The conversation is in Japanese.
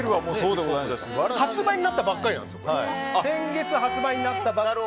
３月に発売になったばかりなんです。